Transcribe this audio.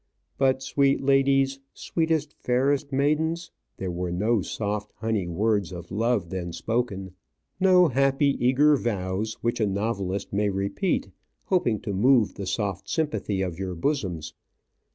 But, sweet ladies, sweetest, fairest maidens, there were no soft, honey words of love then spoken; no happy, eager vows, which a novelist may repeat, hoping to move the soft sympathy of your bosoms.